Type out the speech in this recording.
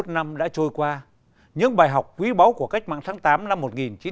bảy mươi năm năm đã trôi qua những bài học quý báu của cách mạng tháng tám năm một nghìn chín trăm bốn mươi năm